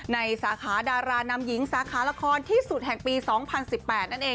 สาขาดารานำหญิงสาขาละครที่สุดแห่งปี๒๐๑๘นั่นเอง